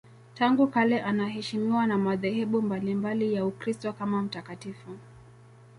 Tangu kale anaheshimiwa na madhehebu mbalimbali ya Ukristo kama mtakatifu.